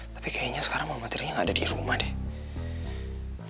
tapi kayaknya sekarang mama tiri gak ada di rumah deh